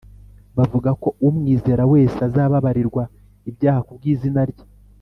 bavuga ko umwizera wese azababarirwa ibyaha kubw’ izina rye